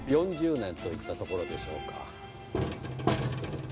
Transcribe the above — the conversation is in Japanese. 築４０年といったところでしょうか。